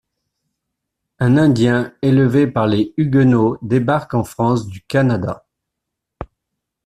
Un indien élevé par des huguenots débarque en France du Canada.